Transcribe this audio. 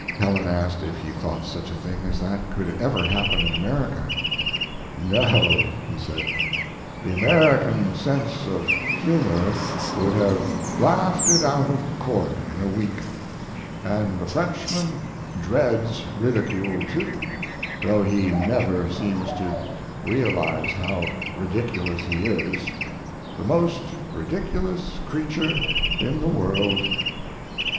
Helen asked if he thought such a thing as that could ever happen in America. "No," he said, "the American sense of humor would have laughed it out of court in a week; and the Frenchman dreads ridicule, too, though he never seems to realize how ridiculous he is the most ridiculous creature in the world."